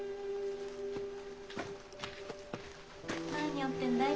・何折ってんだい？